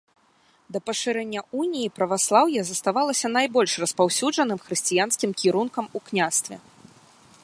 Да пашырэння уніі праваслаўе заставалася найбольш распаўсюджаным хрысціянскім кірункам у княстве.